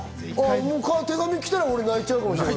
手紙来たら俺、泣いちゃうかもしれない。